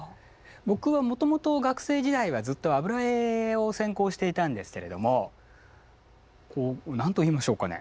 僕はもともと学生時代はずっと油絵を専攻していたんですけれどもこう何と言いましょうかね。